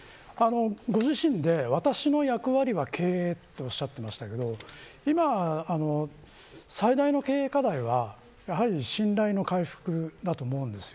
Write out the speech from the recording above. ご自身で、私の役割は経営とおっしゃっていましたが今最大の経営課題は信頼回復だと思います。